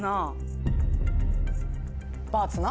バーツな。